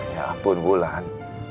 ya ampun ulan